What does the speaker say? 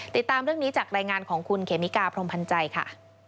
ติดตามเรื่องนี้จากรายงานของคุณเขมิกาพรมพันธ์ใจค่ะ